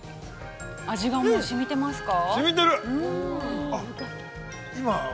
◆味がもうしみていますか。